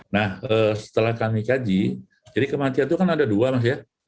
nah setelah kami kaji jadi kematian itu kan ada dua mas ya